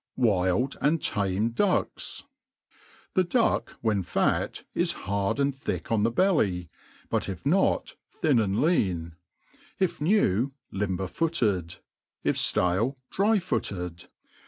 Wild and Tame Ducks. THE diick, when fat, is hard and thick on die belly, but if not, thin and lean ; if new, limber footed ; if ftale, dry footed.